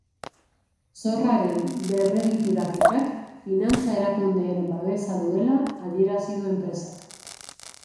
Zorraren berregituraketak finantza erakundeen babesa duela adierazi du enpresak.